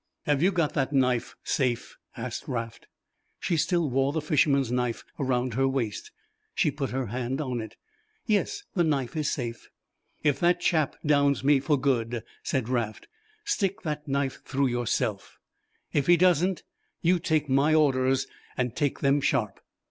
"Have you got that knife safe?" asked Raft. She still wore the fisherman's knife round her waist. She put her hand on it. "Yes, the knife is safe." "If that chap downs me for good," said Raft, "stick that knife through yourself. If he doesn't you take my orders and take them sharp."